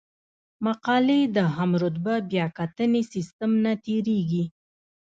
مقالې د هم رتبه بیاکتنې سیستم نه تیریږي.